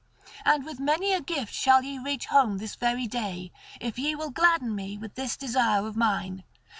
And with many a gift shall ye reach home this very day, if ye will gladden me with this desire of mine.